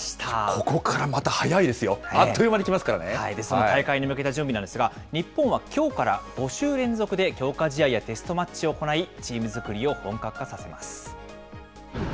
ここからまた早いですよ、あその大会に向けた準備なんですが、日本はきょうから５週連続で強化試合やテストマッチを行い、チーム作りを本格化させます。